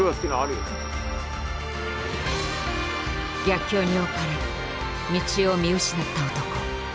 逆境におかれ道を見失った男。